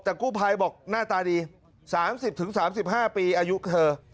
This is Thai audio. แต่กู้ภัยบอกหน้าตาดี๓๐๓๕ปีอายุเธอ